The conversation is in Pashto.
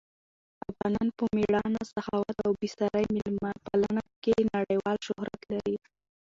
افغانان په مېړانه، سخاوت او بې ساري مېلمه پالنه کې نړیوال شهرت لري.